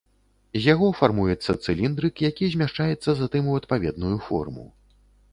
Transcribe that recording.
З яго фармуецца цыліндрык, які змяшчаецца затым у адпаведную форму.